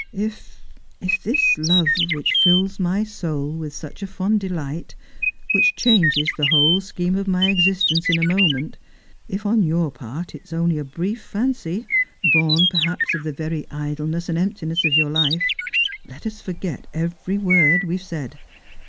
If— if — this love, which fills my soul with such a fond delight, which changes the whole scheme of my existence in a moment, — if, on your part, it is only a brief fancy, born perhaps of the very idle ness and emptiness of your life, let us forget every word that we have said.